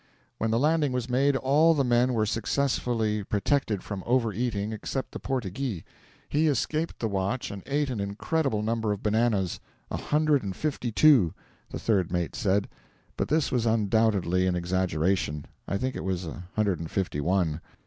When the landing was made, all the men were successfully protected from over eating except the 'Portyghee;' he escaped the watch and ate an incredible number of bananas: a hundred and fifty two, the third mate said, but this was undoubtedly an exaggeration; I think it was a hundred and fifty one.